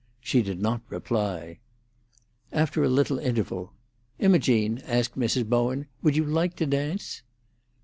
She did not reply. After a little interval, "Imogene," asked Mrs. Bowen, "would you like to dance?"